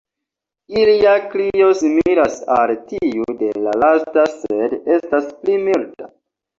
Ilia krio similas al tiu de la lasta sed estas pli milda.